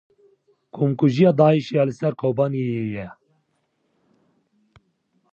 Komkujiya Daişê ya li ser Kobaniyê ye.